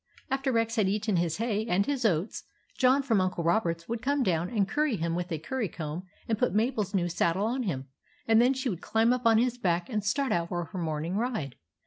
After Rex had eaten his hay and his oats, John from Uncle Robert's would come down and curry him with a curry comb, and put Mabel's new saddle on him; and then she would climb up on his back and start out for her morning ride.